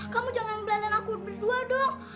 kamu jangan belandan aku berdua dong